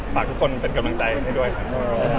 ฝากทุกคนเป็นกำลังใจให้ด้วยครับ